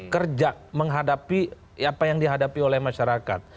kerja menghadapi apa yang dihadapi oleh masyarakat